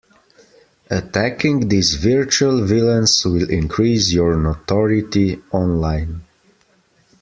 Attacking these virtual villains will increase your notoriety online.